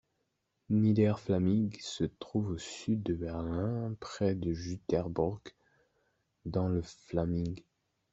Niederer Fläming se trouve au sud de Berlin, près de Jüterbog dans le Fläming.